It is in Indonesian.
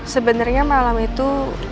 sebenernya malam itu